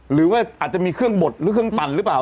หรือว่าอาจจะมีเครื่องบดหรือเครื่องปั่นหรือเปล่า